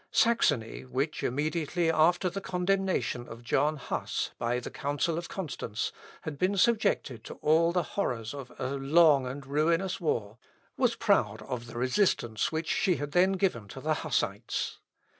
Saxony, which, immediately after the condemnation of John Huss by the Council of Constance, had been subjected to all the horrors of a long and ruinous war, was proud of the resistance which she had then given to the Hussites.